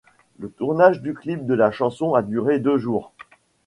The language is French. Le tournage du clip de la chanson a duré deux jours.